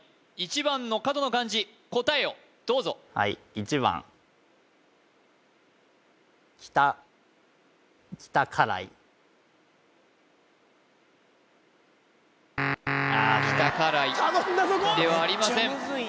１番の角の漢字答えをどうぞきたからいではありません頼んだぞ言！